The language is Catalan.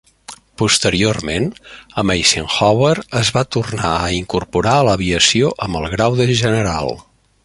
Posteriorment, amb Eisenhower es va tornar a incorporar a l'aviació amb el grau de General.